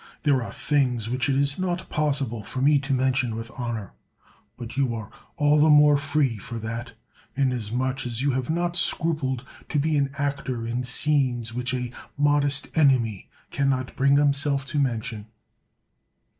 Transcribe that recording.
There are things which it is not possible for me to mention with honor ; but you are all the more free for that, inasmuch as you have not scrupled to be an actor in scenes which a modest enemy can not bring himself to mention.